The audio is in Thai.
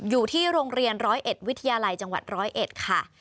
อยู่ที่โรงเรียน๑๐๑วิทยาลัยจังหวัด๑๐๑ค่ะ